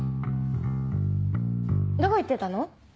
どこ行ってたの？